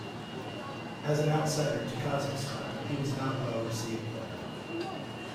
As an outsider to Kazakhstan, he was not well received there.